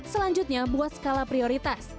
selanjutnya buat skala prioritas